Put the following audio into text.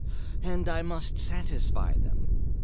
"And I must satisfy them."